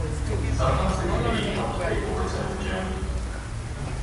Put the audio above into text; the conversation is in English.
Sometimes the Committee helped people return to Germany.